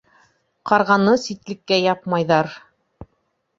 Ҡарғаны ситлеккә япмайҙар.